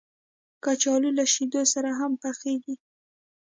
کچالو له شیدو سره هم پخېږي